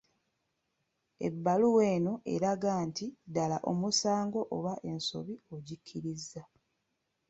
Ebbaluwa eno eraga nti ddala omusango oba ensobi ogikkiriza.